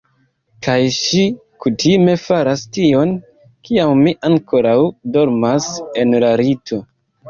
Kaj ŝi kutime faras tion, kiam mi ankoraŭ dormas en la lito.